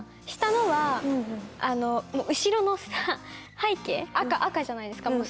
下のは後ろの背景赤じゃないですか。